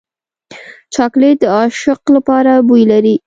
چاکلېټ د عاشق لپاره بوی لري.